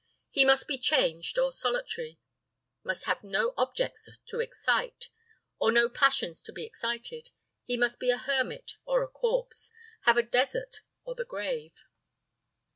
He must be changed, or solitary: must have no objects to excite, or no passions to be excited: he must be a hermit or a corpse; have a desert or the grave."